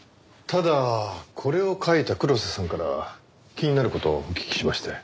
ただこれを描いた黒瀬さんから気になる事をお聞きしまして。